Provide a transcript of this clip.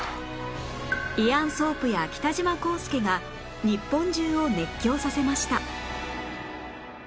イアン・ソープや北島康介が日本中を熱狂させました